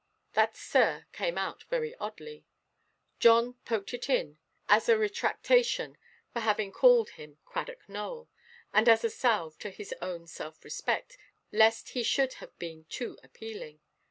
That "sir" came out very oddly. John poked it in, as a retractation for having called him "Cradock Nowell," and as a salve to his own self–respect, lest he should have been too appealing.